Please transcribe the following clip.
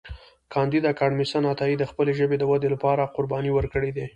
کانديد اکاډميسن عطایي د خپلې ژبې د ودې لپاره قربانۍ ورکړې دي.